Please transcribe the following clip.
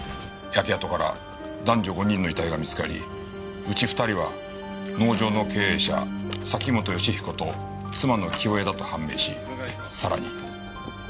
焼け跡から男女５人の遺体が見つかりうち２人は農場の経営者崎本善彦と妻の清江だと判明しさらに。